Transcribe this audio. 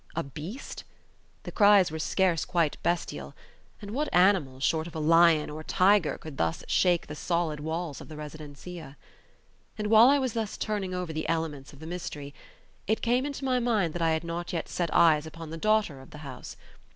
A beast? The cries were scarce quite bestial; and what animal, short of a lion or a tiger, could thus shake the solid walls of the residencia? And while I was thus turning over the elements of the mystery, it came into my mind that I had not yet set eyes upon the daughter of the house.